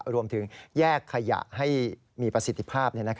รวมถึงแยกขยะให้มีประสิทธิภาพ